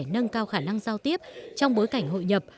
nâng cao khả năng giao tiếp trong bối cảnh hội nhập